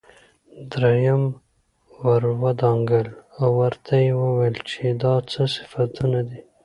دريم ور ودانګل او ورته يې وويل چې دا څه صفتونه دي.